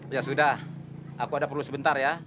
ya sudah aku ada perlu sebentar ya